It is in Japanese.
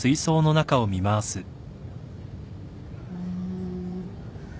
うん。